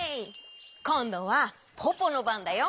こんどはポポのばんだよ。